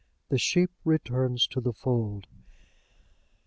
THE SHEEP RETURNS TO THE FOLD.